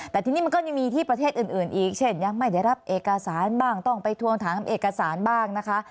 แต่ทีนี้มันก็ยังมีที่ประเทศอื่นอีกเช่นยังไม่ได้รับเอกสารบ้างต้องไปทวงถามเอกสารบ้างนะคะ